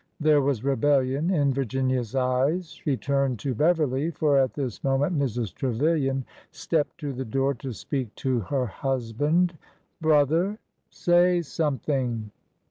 There was rebellion in Virginia's eyes. She turned to Beverly, for at this moment Mrs. Trevilian stepped to the door to speak to her husband. '' Brother, say some thing!